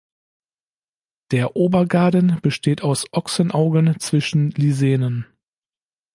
Der Obergaden besteht aus Ochsenaugen zwischen Lisenen.